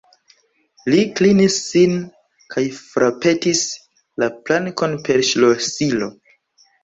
Li klinis sin kaj frapetis la plankon per ŝlosilo.